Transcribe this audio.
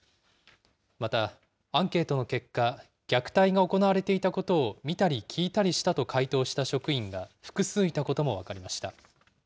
またアンケートの結果、虐待が行われていたことを見たり聞いたりしたと回答した職員が複数いたことも分かりました。